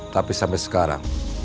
tapi sampai sekarang